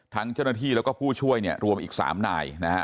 ทั้งเจ้าหน้าที่และผู้ช่วยรวมอีก๓นายนะฮะ